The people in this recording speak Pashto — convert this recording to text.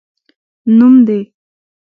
نوم دي؟